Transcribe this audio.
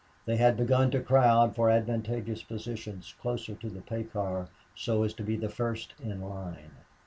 They had begun to crowd for advantageous positions closer to the pay car so as to be the first in line.